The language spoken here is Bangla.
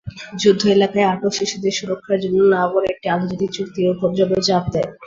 যুদ্ধ এলাকায় আটক শিশুদের সুরক্ষার জন্য নাভন একটি আন্তর্জাতিক চুক্তির জন্য চাপ দেয়।